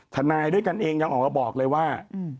ทนายด้วยกันเองยังออกมาบอกเลยว่า